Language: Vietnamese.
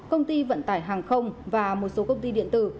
công ty vận tải hàng không và một số công ty điện tử